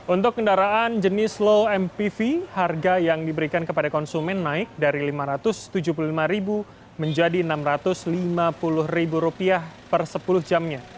untuk kendaraan jenis low mpv harga yang diberikan kepada konsumen naik dari rp lima ratus tujuh puluh lima menjadi rp enam ratus lima puluh per sepuluh jamnya